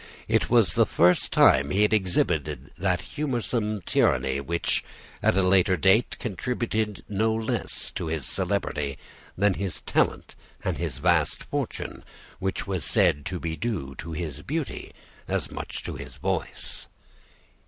It was the first time he had exhibited that humorsome tyranny, which, at a later date, contributed no less to his celebrity than his talent and his vast fortune, which was said to be due to his beauty as much as to his voice.